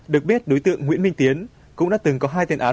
được biết đối tượng nguyễn minh tiến cũng đã từng có hai tiền án